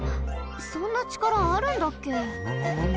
そんなちからあるんだっけ？